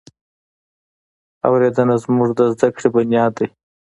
اورېدنه زموږ د زده کړې بنیاد دی.